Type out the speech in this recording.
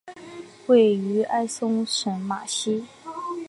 位于埃松省马西。